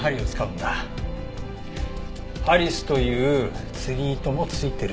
ハリスという釣り糸も付いてる。